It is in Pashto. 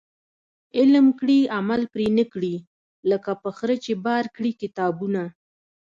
علم کړي عمل پري نه کړي ، لکه په خره چي بار کړي کتابونه